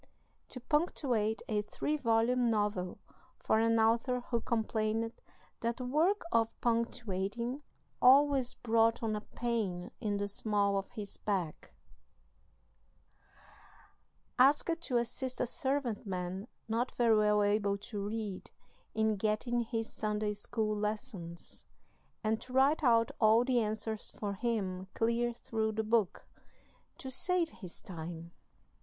"To punctuate a three volume novel for an author who complained that the work of punctuating always brought on a pain in the small of his back. "Asked to assist a servant man not very well able to read in getting his Sunday school lessons, and to write out all the answers for him clear through the book to save his time.